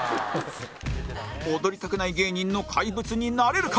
踊りたくない芸人の怪物になれるか？